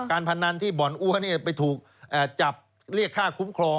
การพันนันที่บ่อนอัวนี่ไปถูกเอ่อจับเรียกค่าคุ้มครอง